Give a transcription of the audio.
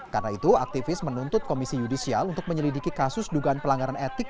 karena itu aktivis menuntut komisi yudisial untuk menyelidiki kasus dugaan pelanggaran etik